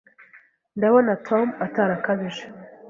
Ndabona Tom atarakabije.